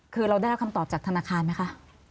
คือเราได้รับคำตอบจากธนาคารไหมคะ